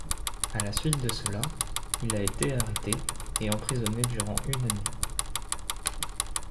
À la suite de cela, il a été arrêté et emprisonné durant une année.